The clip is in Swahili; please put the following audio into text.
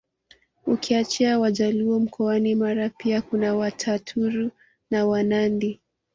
Ukiachia Wajaluo mkoani Mara pia kuna Wataturu na Wanandi